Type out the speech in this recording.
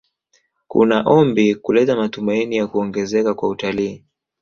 Kuna ombi kuleta matumaini ya kuongezeka kwa utalii